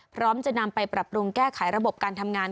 พร้อมจะนำไปปรับปรุงแก้ไขระบบการทำงาน